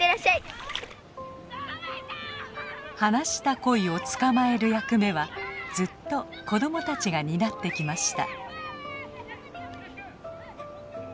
放したコイを捕まえる役目はずっと子供たちが担ってきました。